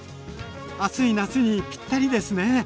暑い夏にぴったりですね。